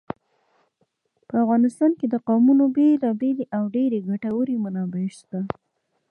په افغانستان کې د قومونه بېلابېلې او ډېرې ګټورې منابع شته.